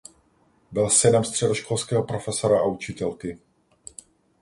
Byl synem středoškolského profesora a učitelky.